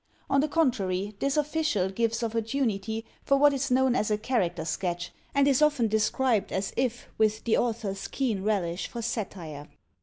On the contrary, this official gives opportunity for what is known as a character sketch, and is often described as if with the author's keen relish for satire.